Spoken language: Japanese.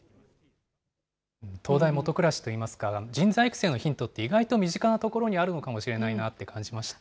灯台下暗しといいますか、人材育成のヒントって、意外と身近な所にあるのかもしれないなって感じました。